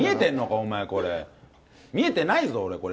お前これ、見えてないぞ、これ。